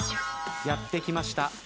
やって来ました